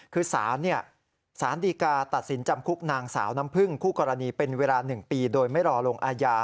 คือสารดีกาตัดสินจำคุกนางสาวน้ำพึ่งคู่กรณีเป็นเวลา๑ปีโดยไม่รอลงอาญา